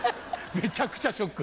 めちゃくちゃショック。